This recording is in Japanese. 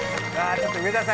ちょっと上田さん